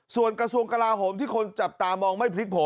ส่วนกระทรวงกลาโหมที่คนจับตามองไม่พลิกโผล